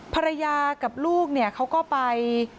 ภรรยากับลูกเขาก็ไป